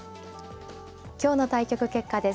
今日の対局結果です。